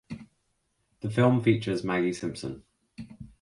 The film features Maggie Simpson.